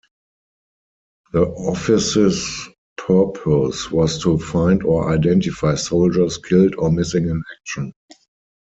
The office's purpose was to find or identify soldiers killed or missing in action.